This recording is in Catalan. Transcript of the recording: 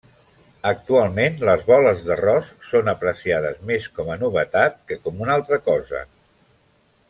Actualment les boles d'arròs són apreciades més com a novetat que com una altra cosa.